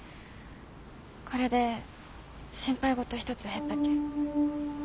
これで心配事一つ減ったけえ。